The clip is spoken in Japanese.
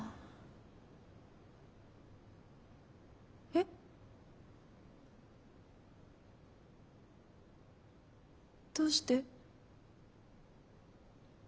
えっ？どうして？